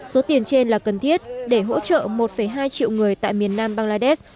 số tiền trên là cần thiết để hỗ trợ một hai triệu người tại miền nam bangladesh